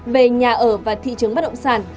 về nhà ở và thị trường bất động sản